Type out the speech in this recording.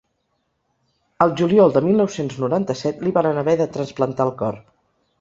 El juliol de mil nou-cents noranta-set li varen haver de trasplantar el cor.